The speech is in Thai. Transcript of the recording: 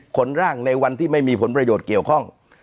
ขนร่างในวันที่ไม่มีผลประโยชน์เกี่ยวข้อง